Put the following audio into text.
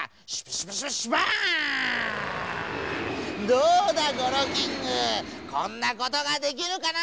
どうだゴロウキングこんなことができるかな？